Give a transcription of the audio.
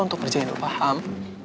untuk kerjain lo paham